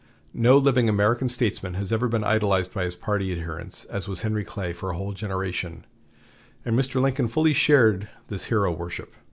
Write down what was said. No living American statesman has ever been idolized by his party adherents as was Henry Clay for a whole generation, and Mr. Lincoln fully shared this hero worship.